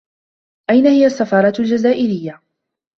أين هي السّفارة الجزائريّة؟